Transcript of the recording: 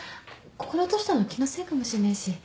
ここで落としたの気のせいかもしれないし。